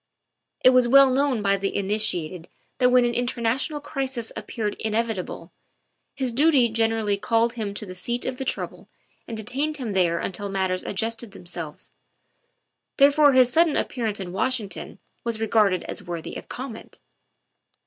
It was well known by the initiated that when an international crisis ap peared inevitable, his duty generally called him to the seat of the trouble and detained him there until mat ters adjusted themselves. Therefore his sudden ap pearance in Washington was regarded as worthy of comment.